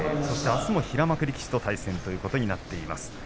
あすは平幕力士と対戦ということになっています。